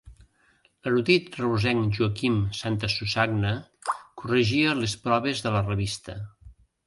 L'erudit reusenc Joaquim Santasusagna corregia les proves de la revista.